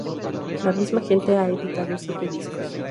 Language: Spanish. La Misma Gente ha editado siete discos.